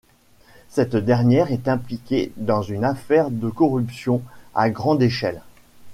Cette dernière est impliquée dans une affaire de corruption à grande échelle.